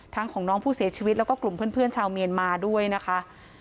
ของน้องผู้เสียชีวิตแล้วก็กลุ่มเพื่อนชาวเมียนมาด้วยนะคะ